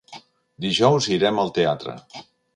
Dijous irem al teatre.